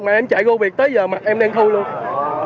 mà em chạy goviet tới giờ mặt em đen thu luôn